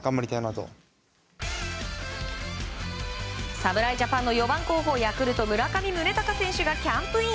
侍ジャパンの４番候補ヤクルト、村上宗隆選手がキャンプイン。